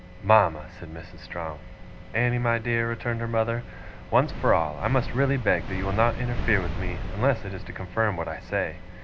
'Mama!' said Mrs. Strong. 'Annie, my dear,' returned her mother, 'once for all, I must really beg that you will not interfere with me, unless it is to confirm what I say.